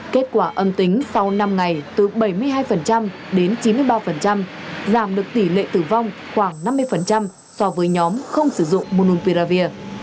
kết quả âm tính sau năm ngày từ bảy mươi hai đến chín mươi ba giảm được tỷ lệ tử vong khoảng năm mươi so với nhóm không sử dụng monumpiravir